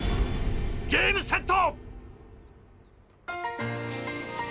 ゲームセット！